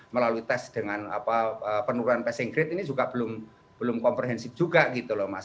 melalui tes dengan penurunan passing grade ini juga belum komprehensif juga gitu loh mas